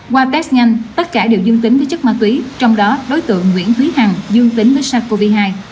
qua test nhanh tất cả đều dương tính với chất ma túy trong đó đối tượng nguyễn thúy hằng dương tính với sars cov hai